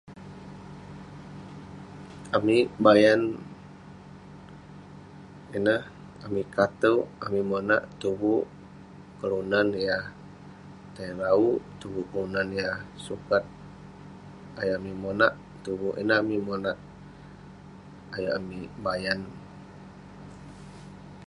Amik bayan ineh, amik kateuk, amik monak tuvuk kelunan yah tai rauk, tuvuk kelunan yah sukat ayuk amik monak, tuvuk ineh amik monak ayuk amik bayan.